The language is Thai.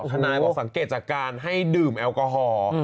นายบอกสังเกตจากการให้ดื่มแอลกอฮอล์